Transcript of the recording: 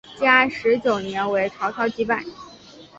建安十九年为曹操击败。